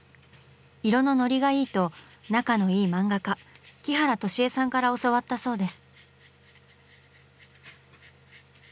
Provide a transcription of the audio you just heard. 「色のノリがいい」と仲のいい漫画家木原敏江さんから教わったそうです。